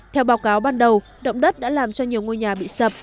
theo báo cáo ban đầu động đất đã làm cho nhiều ngôi nhà bị sập